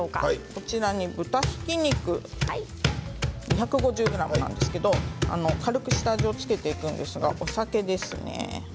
こちらに豚ひき肉２５０ｇなんですけど軽く下味を付けていくんですが、お酒ですね。